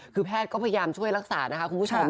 คือแพทย์ก็พยายามช่วยรักษานะคะคุณผู้ชม